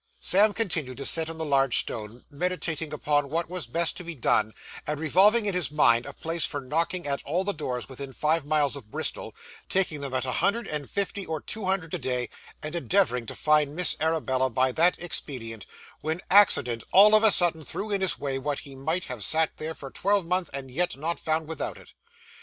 Sam continued to sit on the large stone, meditating upon what was best to be done, and revolving in his mind a plan for knocking at all the doors within five miles of Bristol, taking them at a hundred and fifty or two hundred a day, and endeavouring to find Miss Arabella by that expedient, when accident all of a sudden threw in his way what he might have sat there for a twelvemonth and yet not found without it.